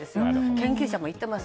研究者も言っています。